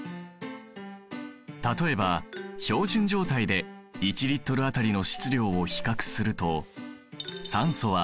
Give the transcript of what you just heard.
例えば標準状態で１Ｌあたりの質量を比較すると酸素は１．４ｇ。